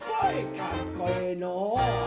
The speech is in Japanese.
かっこええのう！